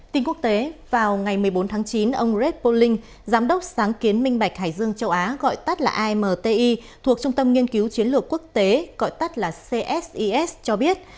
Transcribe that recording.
tin quốc tế vào ngày một mươi bốn tháng chín ông red polym giám đốc sáng kiến minh bạch hải dương châu á gọi tắt là amti thuộc trung tâm nghiên cứu chiến lược quốc tế gọi tắt là csis cho biết